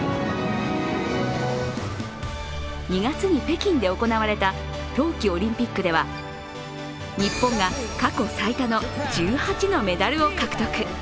２月に北京で行われた冬季オリンピックでは、日本が過去最多の１８のメダルを獲得。